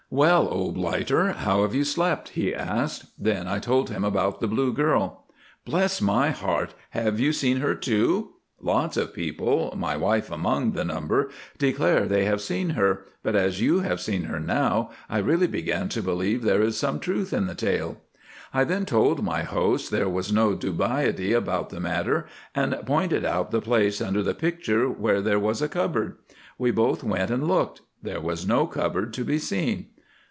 "'Well, old blighter, how have you slept?' he asked. "Then I told him about the blue girl. "'Bless my heart! Have you seen her too? Lots of people, my wife among the number, declare they have seen her; but as you have seen her now, I really begin to believe there is some truth in the tale.' "I then told my host there was no dubiety about the matter, and pointed out the place under the picture where there was a cupboard. We both went and looked. There was no cupboard to be seen.